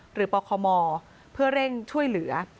ปคมเพื่อเร่งช่วยเหลือ